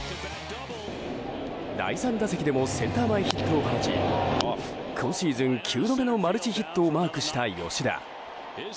第３打席でもセンター前ヒットを放ち今シーズン９度目のマルチヒットをマークした吉田。